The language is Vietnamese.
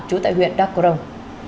trú tại huyện đắk cổ rông